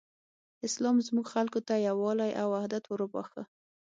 اسلام زموږ خلکو ته یووالی او حدت وروباښه.